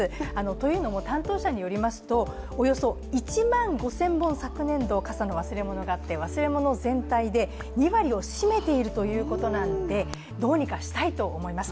というのも担当者によりますとおよそ１万５０００本昨年度、傘の忘れ物があって、忘れ物全体で２割を自分占めているということなのでどうにかしたいと思います。